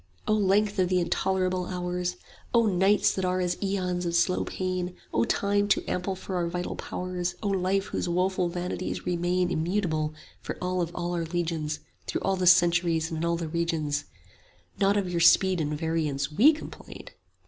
O length of the intolerable hours, O nights that are as aeons of slow pain, 30 O Time, too ample for our vital powers, O Life, whose woeful vanities remain Immutable for all of all our legions Through all the centuries and in all the regions, Not of your speed and variance WE complain.